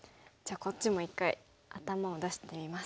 こっちも一回頭を出してみます。